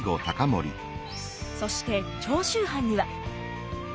そして長州藩には。